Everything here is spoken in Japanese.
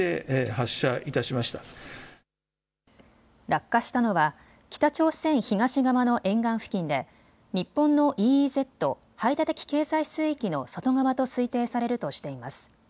落下したのは北朝鮮東側の沿岸付近で日本のＥＥＺ・排他的経済水域の外側と推定されるとしています。